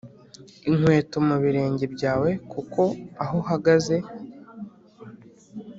Inkweto mu birenge byawe kuko aho uhagaze